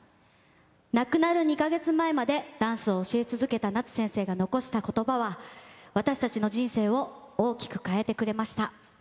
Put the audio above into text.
亡くなる２か月前までダンスを教え続けた夏先生が残したことばは、私たちの人生を大きく変えてくれました。